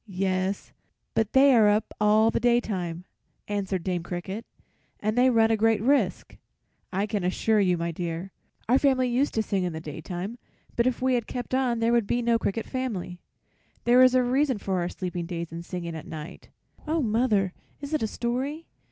"Yes, but they are up all the daytime," answered Dame Cricket, "and they run a great risk, I can assure you, my dear. Our family used to sing in the daytime, but if we had kept on there would be no cricket family. There is a reason for our sleeping days and singing at night." "Oh, mother, is it a story?"